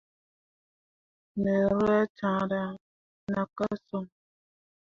Me rah caŋra na ka son.